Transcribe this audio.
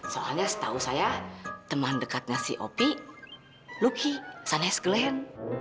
soalnya setahu saya teman dekatnya si opie luki sana s glenn